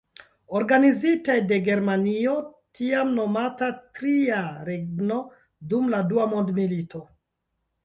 Organizitaj de Germanio tiam nomata Tria Regno dum la Dua Mondmilito.